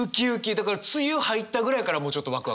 だから梅雨入ったぐらいからもうちょっとワクワク。